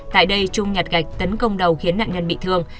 tại đây trung nhặt gạch tấn công đầu khiến nạn nhân bị thương